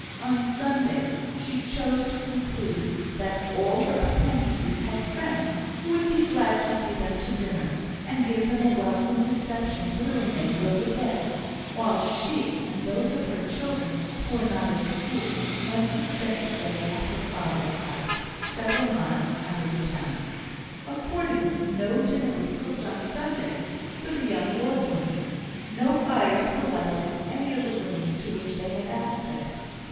On Sundays she chose to conclude that all her apprentices had friends who would be glad to see them to dinner, and give them a welcome reception for the remainder of the day; while she, and those of her children who were not at school, went to spend the day at her father's house, several miles out of the town. Accordingly, no dinner was cooked on Sundays for the young workwomen; no fires were lighted in any rooms to which they had access.